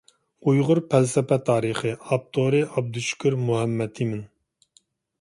«ئۇيغۇر پەلسەپە تارىخى»، ئاپتورى: ئابدۇشۈكۈر مۇھەممەتئىمىن.